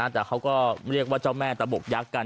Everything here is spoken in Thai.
แต่เขาก็เรียกว่าเจ้าแม่ตะบกยักษ์กัน